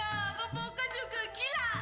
membuka juga gila